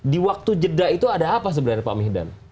di waktu jeda itu ada apa sebenarnya pak mihdan